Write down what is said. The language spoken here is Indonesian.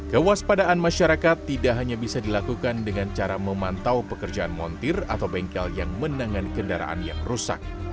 kewaspadaan masyarakat tidak hanya bisa dilakukan dengan cara memantau pekerjaan montir atau bengkel yang menangani kendaraan yang rusak